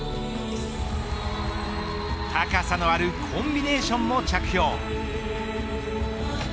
高さのあるコンビネーションも着氷。